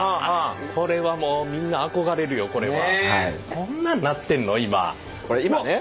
これはもうみんな憧れるよこれは。